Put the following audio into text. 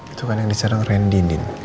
itu kan yang disarang randy